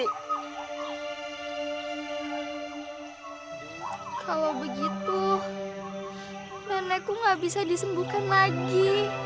kalau begitu nenekku gak bisa disembuhkan lagi